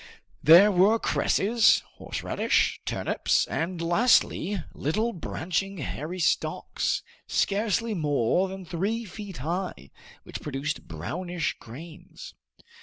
There were cresses, horseradish, turnips, and lastly, little branching hairy stalks, scarcely more than three feet high, which produced brownish grains.